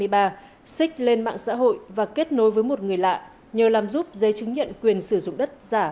xích lên mạng xã hội và kết nối với một người lạ nhờ làm giúp giấy chứng nhận quyền sử dụng đất giả